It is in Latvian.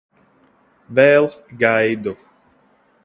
Vēl gaidu.